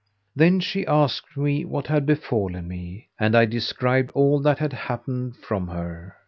Then she asked me what had befallen me, and I described all that had happened from her.